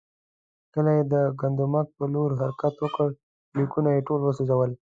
کله یې د ګندمک پر لور حرکت وکړ، لیکونه یې ټول وسوځول.